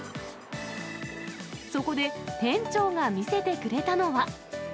そこで店長が見せてくれたのは。